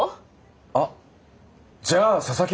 あっじゃあ佐々木は？